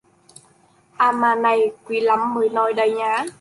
À mà này quý lắm mới nói đấy nhá